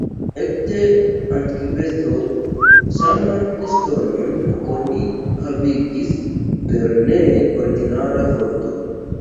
Ekde antikveco Ŝaman-ŝtonon oni havigis per ne ordinara forto.